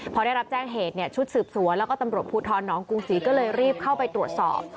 พอได้รับแจ้งเหตุเนี่ยชุดสืบสวนแล้วก็ตำรวจภูทรน้องกรุงศรีก็เลยรีบเข้าไปตรวจสอบ